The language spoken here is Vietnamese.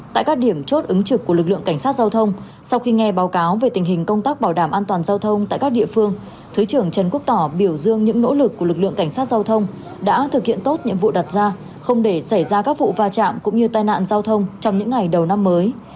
tại các điểm chốt ứng trực của lực lượng cảnh sát giao thông sau khi nghe báo cáo về tình hình công tác bảo đảm an toàn giao thông tại các địa phương thứ trưởng trần quốc tỏ biểu dương những nỗ lực của lực lượng cảnh sát giao thông đã thực hiện tốt nhiệm vụ đặt ra không để xảy ra các vụ va chạm cũng như tai nạn giao thông trong những ngày đầu năm mới